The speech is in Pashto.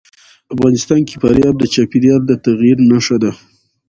افغانستان کې فاریاب د چاپېریال د تغیر نښه ده.